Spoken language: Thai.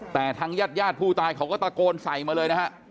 แต่ทางญาติญาติผู้ตายเขาก็ตะโกนใส่มาเลยนะฮะ